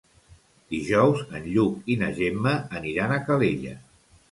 Dijous en Lluc i na Gemma aniran a Calella.